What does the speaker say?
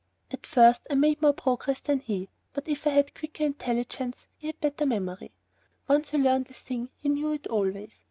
At first I made more progress than he, but if I had quicker intelligence, he had better memory. Once he learnt a thing he knew it always.